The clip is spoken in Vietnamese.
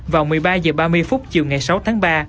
vào một mươi ba h ba mươi phút chiều ngày sáu tháng ba